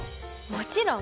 もちろん。